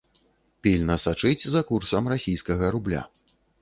Пільна сачыць за курсам расійскага рубля.